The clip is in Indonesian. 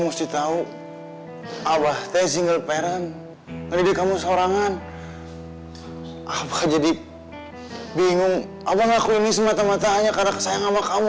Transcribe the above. saya bingung apa aku ini semata mata hanya karena kesayangan sama kamu